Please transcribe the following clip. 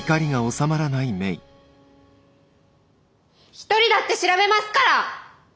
一人だって調べますから！